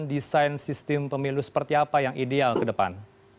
desain sistem pemilu seperti apa yang ideal ke depan